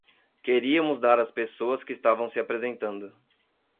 Queríamos dar a pessoas que estavam se apresentando.